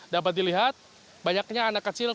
dapat dilihat banyaknya anak kecil keluarga kita